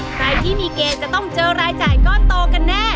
ใครที่มีเกณฑ์จะต้องเจอรายจ่ายก้อนโตกันแน่